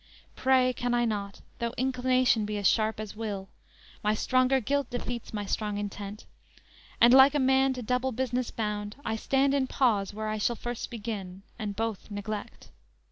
Pray can I not, Though inclination be as sharp as will; My stronger guilt defeats my strong intent, And like a man to double business bound, I stand in pause where I shall first begin, And both neglect.